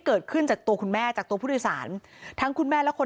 เกิดขึ้นจากตัวคุณแม่จากตัวผู้โดยสารทั้งคุณแม่และคน